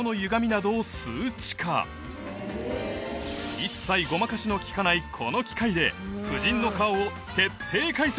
一切ごまかしの利かないこの機械で夫人の顔を徹底解析！